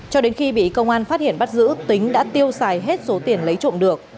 cho đến khi bị công an phát hiện bắt giữ tính đã tiêu xài hết số tiền lấy trộm được